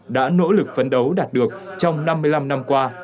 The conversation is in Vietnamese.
đã nỗ lực phấn đấu đạt được trong năm mươi năm năm qua